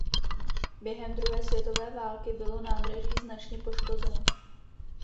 Během druhé světové války bylo nádraží značně poškozeno.